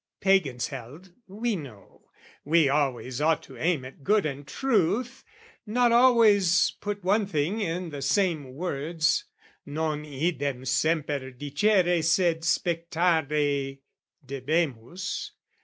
Pagans held, we know, We always ought to aim at good and truth, Not always put one thing in the same words: Non idem semper dicere sed spectare Debemus.